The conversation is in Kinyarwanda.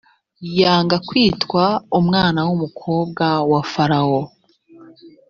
yanga kwitwa umwana w umukobwa wa farawo